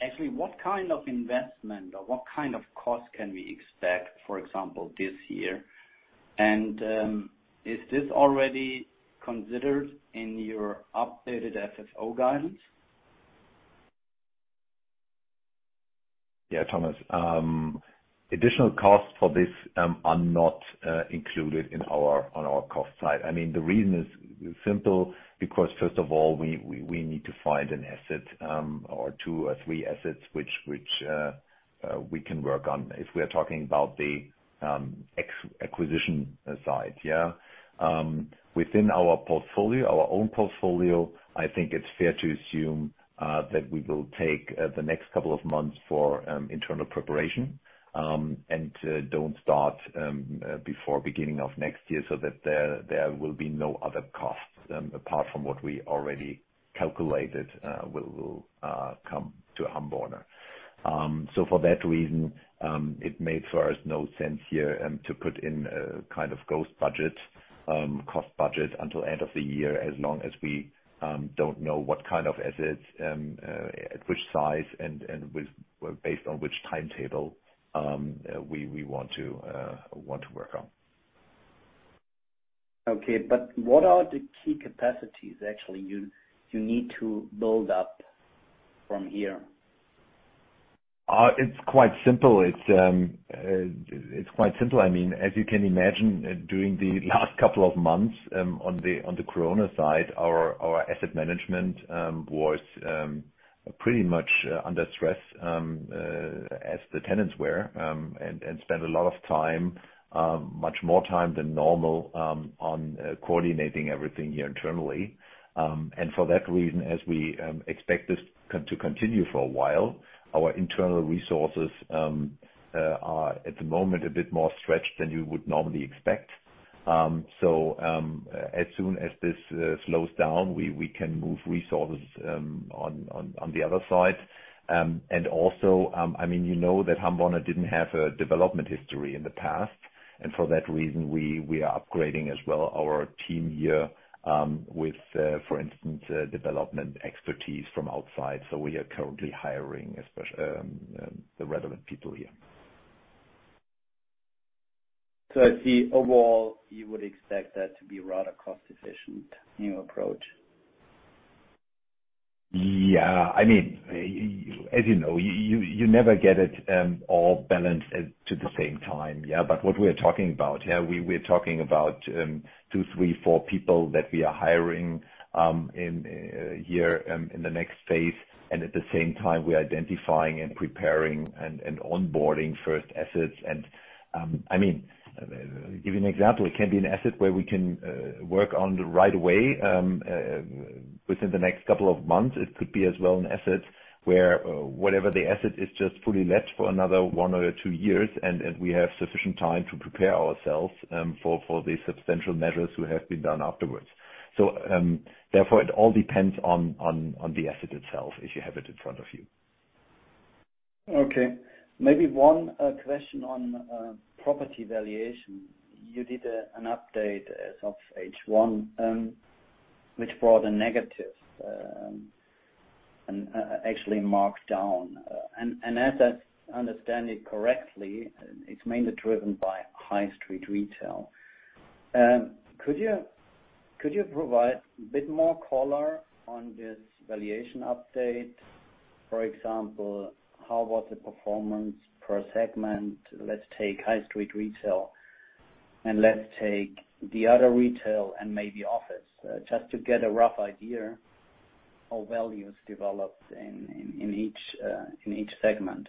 Actually, what kind of investment or what kind of cost can we expect, for example, this year? Is this already considered in your updated FFO guidance? Yeah, Thomas. Additional costs for this are not included on our cost side. The reason is simple, because first of all, we need to find an asset or two or three assets which we can work on if we’re talking about the acquisition side. Within our portfolio, our own portfolio, I think it’s fair to assume that we will take the next couple of months for internal preparation, and don’t start before beginning of next year so that there will be no other costs apart from what we already calculated will come to HAMBORNER. For that reason, it made for us no sense here to put in a kind of ghost budget until end of the year, as long as we don’t know what kind of assets, at which size, and based on which timetable we want to work on. Okay. What are the key capacities, actually, you need to build up from here? It's quite simple. As you can imagine, during the last couple of months on the corona side, our asset management was pretty much under stress as the tenants were and spent a lot of time, much more time than normal, on coordinating everything here internally. For that reason, as we expect this to continue for a while, our internal resources are, at the moment, a bit more stretched than you would normally expect. As soon as this slows down, we can move resources on the other side. Also, you know that HAMBORNER didn't have a development history in the past. For that reason, we are upgrading as well our team here with, for instance, development expertise from outside. We are currently hiring the relevant people here. I see overall, you would expect that to be a rather cost-efficient new approach. As you know, you never get it all balanced at the same time. What we're talking about here, we're talking about two, three, four people that we are hiring here in the next phase. At the same time, we're identifying and preparing and onboarding first assets. I'll give you an example. It can be an asset where we can work on right away within the next couple of months. It could be as well an asset where whatever the asset is just fully let for another one or two years, and we have sufficient time to prepare ourselves for the substantial measures to have been done afterwards. Therefore, it all depends on the asset itself as you have it in front of you. Okay. Maybe one question on property valuation. You did an update as of H1, which brought a negative and actually marked down. As I understand it correctly, it's mainly driven by high street retail. Could you provide a bit more color on this valuation update? For example, how was the performance per segment? Let's take high street retail and let's take the other retail and maybe office, just to get a rough idea how values developed in each segment.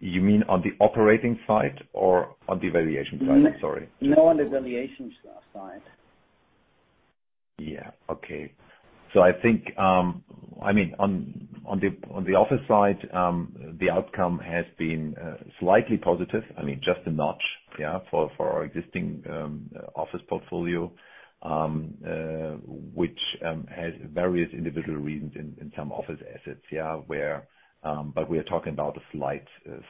You mean on the operating side or on the valuation side? Sorry. No, on the valuation side. Yeah. Okay. I think on the office side, the outcome has been slightly positive. Just a notch for our existing office portfolio, which has various individual reasons in some office assets. We are talking about a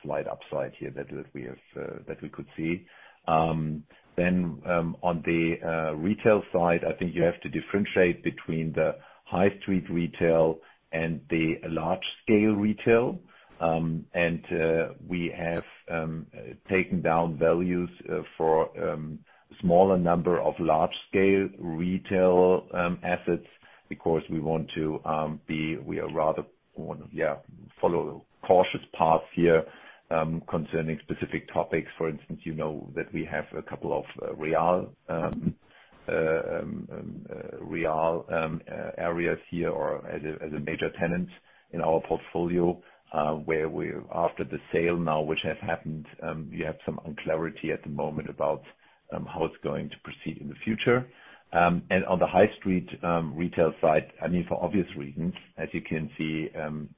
slight upside here that we could see. On the retail side, I think you have to differentiate between the high street retail and the large-scale retail. We have taken down values for a smaller number of large-scale retail assets because we are rather want to follow the cautious path here concerning specific topics. For instance, you know that we have a couple of Real areas here or as a major tenant in our portfolio, where after the sale now, which has happened, we have some unclarity at the moment about how it's going to proceed in the future. On the high street retail side, for obvious reasons, as you can see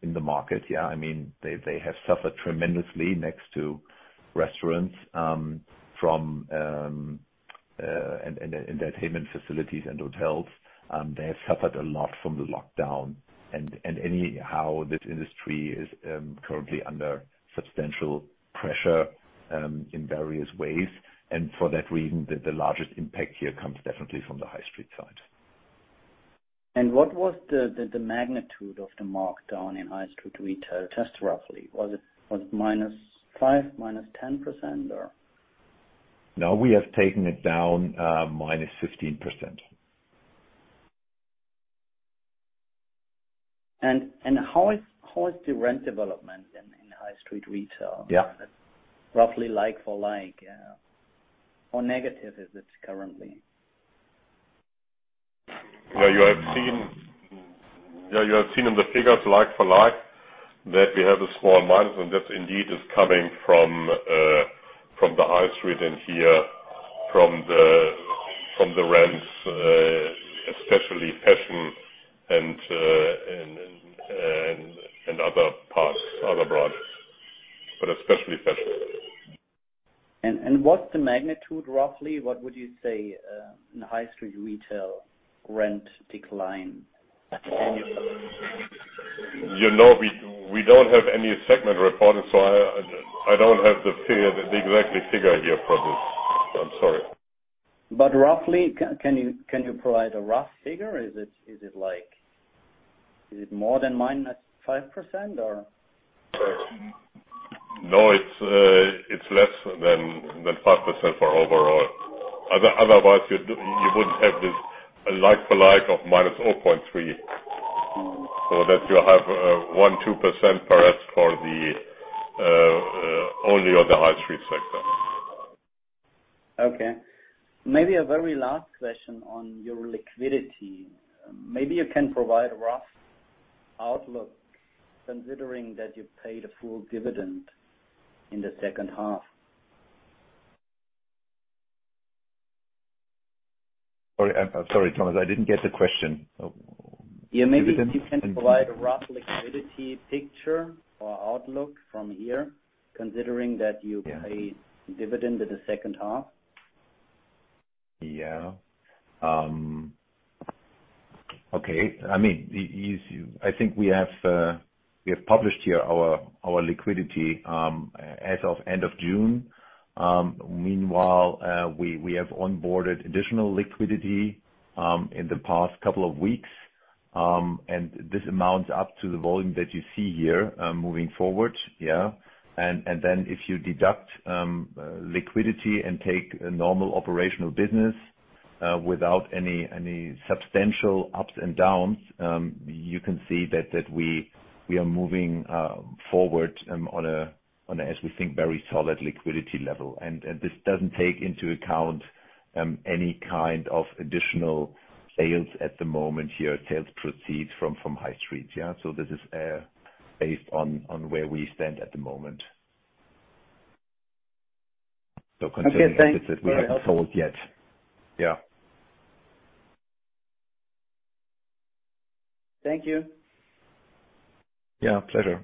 in the market, they have suffered tremendously next to restaurants and entertainment facilities and hotels. They have suffered a lot from the lockdown. Anyhow, this industry is currently under substantial pressure in various ways. For that reason, the largest impact here comes definitely from the high street side. What was the magnitude of the markdown in high street retail, just roughly? Was it -5%, -10% or? No, we have taken it down -15%. How is the rent development in high street retail? Yeah. Roughly like-for-like. How negative is it currently? Yeah, you have seen in the figures like-for-like that we have a small minus, and that indeed is coming from the high street in here, from the rents, especially fashion and other parts, other branches. Especially fashion. What's the magnitude, roughly? What would you say in the high street retail rent decline? You know. We don't have any segment reporting, so I don't have the exact figure here for this. I'm sorry. Roughly, can you provide a rough figure? Is it more than minus 5% or? No, it's less than 5% for overall. Otherwise, you wouldn't have this like-for-like of -0.3. That you have 1%, 2%, perhaps for the only other high street sector. Okay. Maybe a very last question on your liquidity. Maybe you can provide a rough outlook considering that you paid a full dividend in the second half. Sorry, Thomas, I didn't get the question. Yeah, maybe if you can provide a rough liquidity picture or outlook from here, considering that you pay dividend at the second half. Yeah. Okay. I think we have published here our liquidity as of end of June. Meanwhile, we have onboarded additional liquidity in the past couple of weeks, and this amounts up to the volume that you see here moving forward. Yeah. Then if you deduct liquidity and take a normal operational business without any substantial ups and downs, you can see that we are moving forward on a, as we think, very solid liquidity level. This doesn't take into account any kind of additional sales at the moment here, sales proceeds from high street. Yeah. This is based on where we stand at the moment. Okay, thanks. Not considering assets that we have sold yet. Thank you. Yeah, pleasure.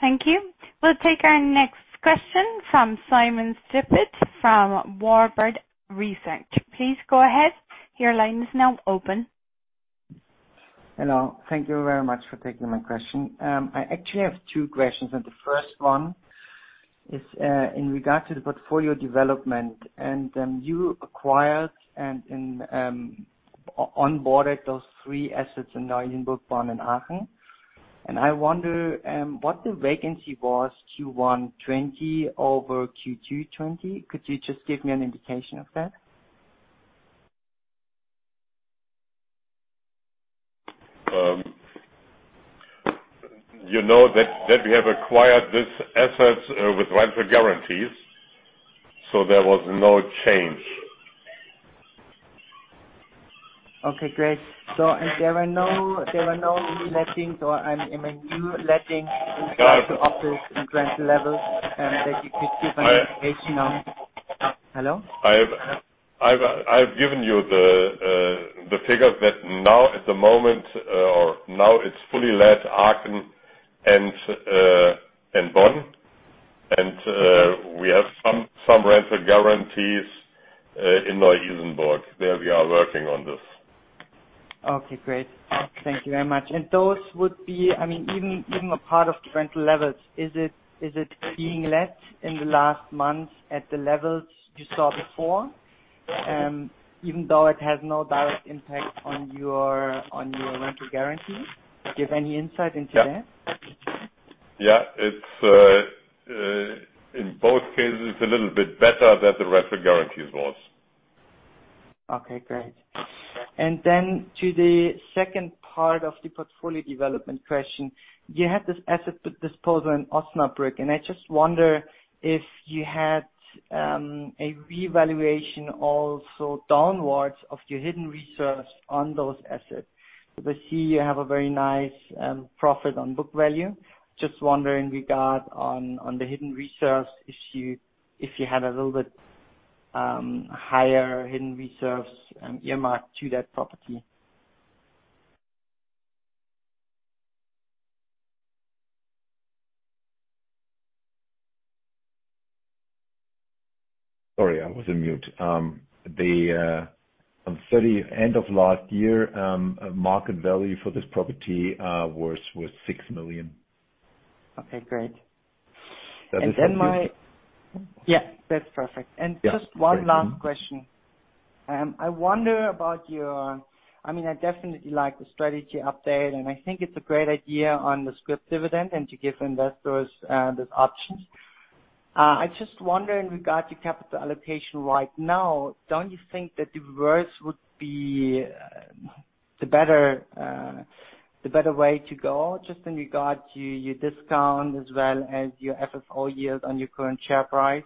Thank you. We'll take our next question from Simon Stippig from Warburg Research. Please go ahead. Your line is now open. Hello. Thank you very much for taking my question. I actually have two questions, and the first one is in regard to the portfolio development. You acquired and onboarded those three assets in Neu-Isenburg, Bonn, and Aachen, and I wonder what the vacancy was Q1 2020 over Q2 2020. Could you just give me an indication of that? You know that we have acquired these assets with rental guarantees. There was no change. Okay, great. There were no new lettings or, I mean, new lettings to office and rental levels, that you could give an indication on. Hello? I've given you the figures that now at the moment or now it's fully let Aachen and Bonn, and we have some rental guarantees in Neu-Isenburg. There we are working on this. Okay, great. Thank you very much. Those would be, even a part of the rental levels. Is it being let in the last month at the levels you saw before? Even though it has no direct impact on your rental guarantee? Give any insight into that. Yeah. In both cases, a little bit better than the rental guarantees was. Okay, great. To the second part of the portfolio development question. You had this asset disposal in Osnabrück, and I just wonder if you had a revaluation also downwards of your hidden reserves on those assets. Here you have a very nice profit on book value. Just wondering regard on the hidden reserves issue, if you had a little bit higher hidden reserves earmarked to that property. Sorry, I was on mute. The end of last year, market value for this property was 6 million. Okay, great. Does this help you? Yeah, that's perfect. Yeah. Just one last question. I definitely like the strategy update, and I think it's a great idea on the scrip dividend and to give investors those options. I just wonder in regard to capital allocation right now, don't you think that reverse would be the better way to go, just in regard to your discount as well as your FFO yield on your current share price?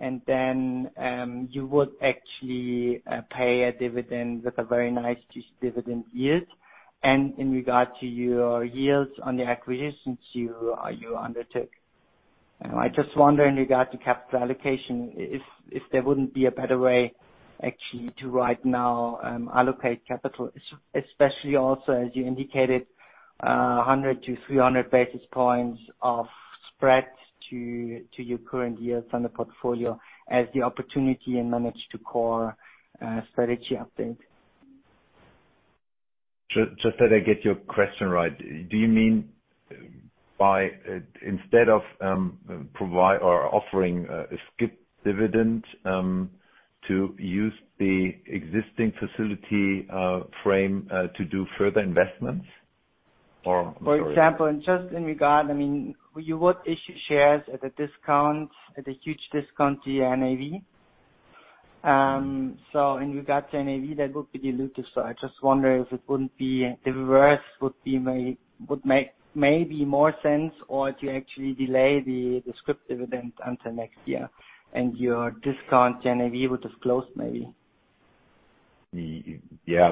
You would actually pay a dividend with a very nice dividend yield. In regard to your yields on the acquisitions you undertook. I just wonder in regard to capital allocation if there wouldn't be a better way actually to right now allocate capital, especially also as you indicated, 100-300 basis points of spread to your current year fund portfolio as the opportunity and manage to core strategy update. Just that I get your question right. Do you mean by instead of provide or offering a scrip dividend to use the existing facility frame to do further investments? I'm sorry. For example, and just in regard, you would issue shares at a huge discount to your NAV. In regard to NAV, that would be dilutive. I just wonder if it wouldn't be diverse would make maybe more sense or do you actually delay the scrip dividend until next year and your discount NAV would have closed maybe. Yeah.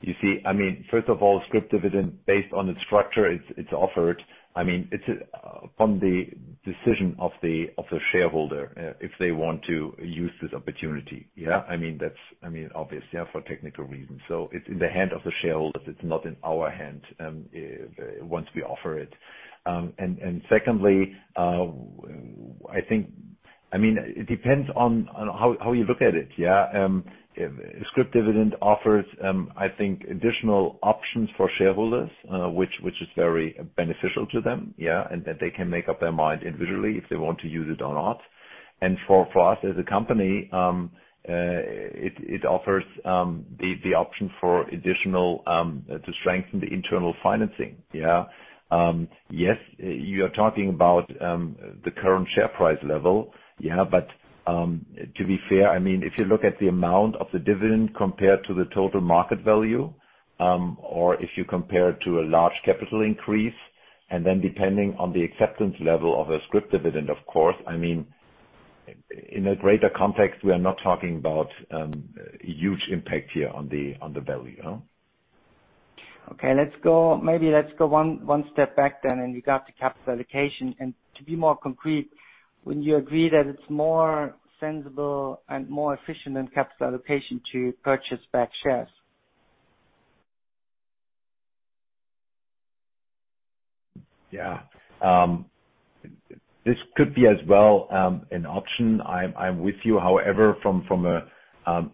You see, first of all, scrip dividend based on its structure, it's offered. It's upon the decision of the shareholder if they want to use this opportunity. Yeah. That's obvious, yeah, for technical reasons. It's in the hand of the shareholders. It's not in our hand once we offer it. Secondly, I think it depends on how you look at it, yeah. Scrip dividend offers, I think additional options for shareholders which is very beneficial to them, yeah. That they can make up their mind individually if they want to use it or not. For us as a company, it offers the option for additional to strengthen the internal financing, yeah. Yes, you are talking about the current share price level, yeah. To be fair, if you look at the amount of the dividend compared to the total market value or if you compare it to a large capital increase and then depending on the acceptance level of a scrip dividend of course, in a greater context we are not talking about huge impact here on the value. Okay. Maybe let's go one step back then in regard to capital allocation and to be more concrete, wouldn't you agree that it's more sensible and more efficient than capital allocation to purchase back shares? Yeah. This could be as well an option. I'm with you. From a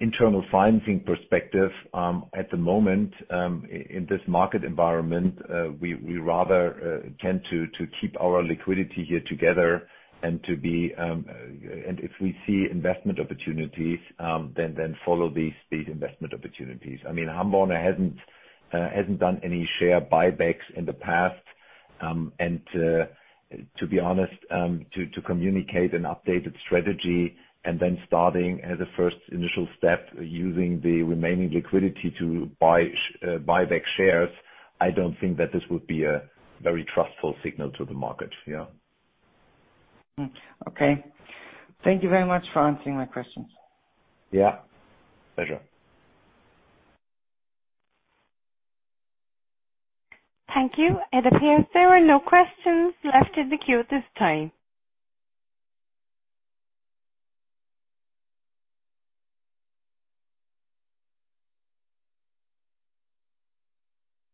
internal financing perspective, at the moment in this market environment we rather tend to keep our liquidity here together and if we see investment opportunities then follow these investment opportunities. HAMBORNER hasn't done any share buybacks in the past. To be honest, to communicate an updated strategy and then starting as a first initial step using the remaining liquidity to buy back shares, I don't think that this would be a very trustful signal to the market. Yeah. Okay. Thank you very much for answering my questions. Yeah. Pleasure. Thank you. It appears there are no questions left in the queue at this time.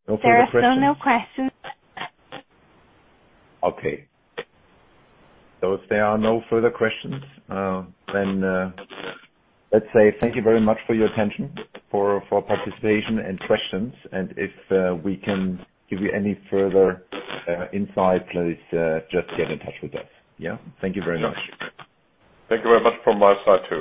No further questions? There are still no questions. Okay. If there are no further questions, let's say thank you very much for your attention, for participation and questions, and if we can give you any further insight, please just get in touch with us, yeah. Thank you very much. Thank you very much from my side, too.